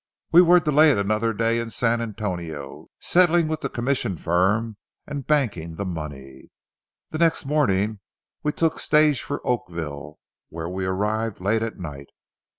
We were delayed another day in San Antonio, settling with the commission firm and banking the money. The next morning we took stage for Oakville, where we arrived late at night.